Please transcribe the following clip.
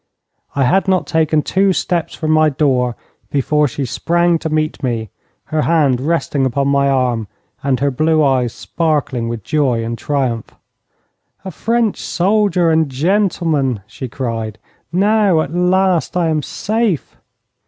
I had not taken two steps from my door before she sprang to meet me, her hand resting upon my arm and her blue eyes sparkling with joy and triumph. 'A French soldier and gentleman!' she cried. 'Now at last I am safe.'